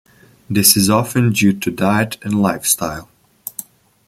This is often due to diet and lifestyle.